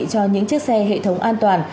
cho những chiếc xe hệ thống an toàn